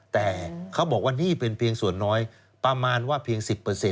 แต่เขาบอกว่านี่เป็นเพียงส่วนน้อยประมาณว่าเพียง๑๐